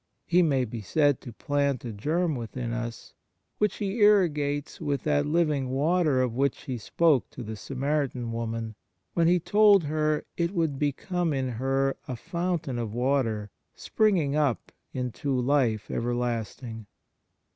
He may be said to plant a germ within us, which He irrigates with that living water of which He spoke to the Samaritan woman, when He told her it would become in her a fountain of water springing up into life everlasting.